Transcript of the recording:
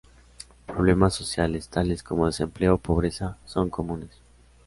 Problemas sociales, tales como desempleo o pobreza, son comunes.